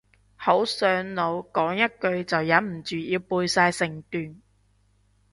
好上腦，講一句就忍唔住要背晒成段